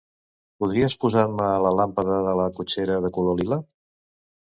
Podries posar-me la làmpada de la cotxera de color lila?